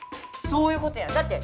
そういうことやだって。